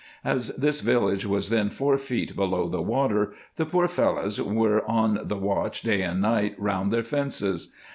As this village was then four feet below the water, the poor Fellahs were on the watch day and night round their fences.